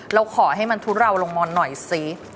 เราขอให้มันทุเลาลงมอนหน่อยสิ